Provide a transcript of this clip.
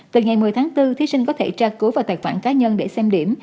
từ ngày một mươi tháng bốn thí sinh có thể tra cứu vào tài khoản cá nhân để xem điểm